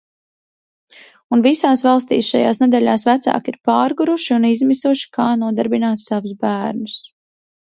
Un visās valstīs šajās nedēļās vecāki ir pārguruši un izmisuši, kā nodarbināt savus bērnus.